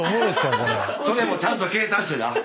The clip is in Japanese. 「それもちゃんと計算して」